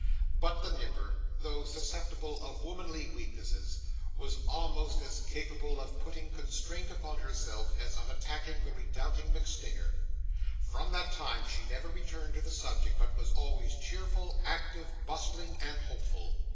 But the Nipper, though susceptible of womanly weaknesses, was almost as capable of putting constraint upon herself as of attacking the redoubtable MacStinger. From that time, she never returned to the subject, but was always cheerful, active, bustling, and hopeful.